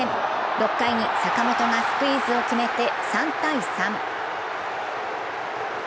６回に坂本がスクイズを決めて３−３。